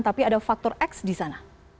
tapi ada faktor x di sana